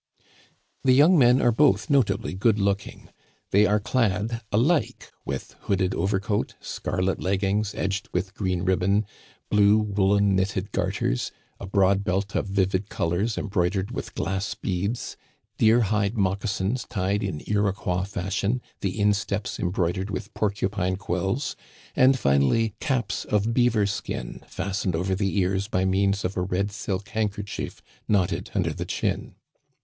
The young men are both notably good looking. They are clad alike with hooded overcoat, scarlet leg gings edged with green ribbon, blue woolen knitted gar ters, a broad belt of vivid colors embroidered with glass beads, deer hide moccasins tied in Iroquois fashion, the Digitized by VjOOQIC LEAVING COLLEGE. 15 insteps embroidered with porcupine quills, and, finally, caps of beaver skin fastened over the ears by means of a red silk handkerchief knotted under the chin.